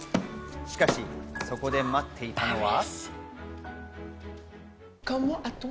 しかし、そこで待っていたのは。